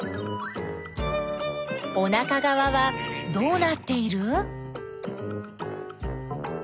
おなかがわはどうなっている？